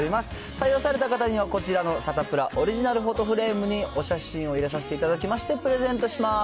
採用された方にはこちらのサタプラオリジナルフォトフレームにお写真を入れさせていただきまして、プレゼントします。